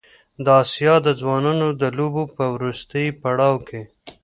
د اسیا د ځوانانو د لوبو په وروستي پړاو کې